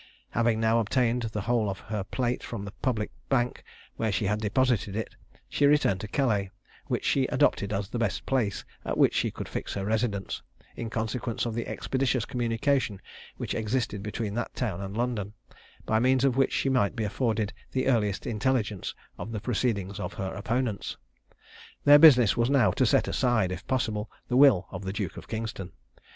Having now obtained the whole of her plate from the public bank where she had deposited it, she returned to Calais, which she adopted as the best place at which she could fix her residence, in consequence of the expeditious communication which existed between that town and London, by means of which she might be afforded the earliest intelligence of the proceedings of her opponents. Their business was now to set aside, if possible, the will of the Duke of Kingston.